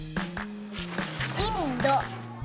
インド。